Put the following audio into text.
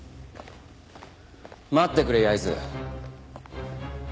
待ってくれ焼津。